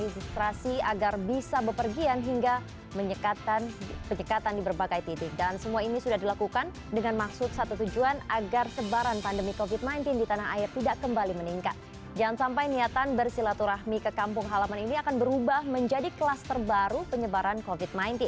jangan sampai niatan bersilaturahmi ke kampung halaman ini akan berubah menjadi kelas terbaru penyebaran covid sembilan belas